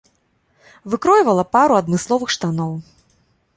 Выкройвала пару адмысловых штаноў.